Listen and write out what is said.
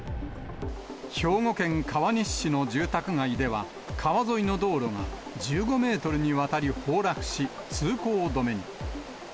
兵庫県川西市の住宅街では、川沿いの道路が１５メートルにわたり崩落し、通行止めに。